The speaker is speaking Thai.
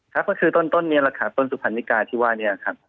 ครับก็คือต้นนี้แหละครับต้นสุพรรณิกาที่ว่านี้ครับ